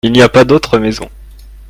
Il n'y a pas d'uatre maison.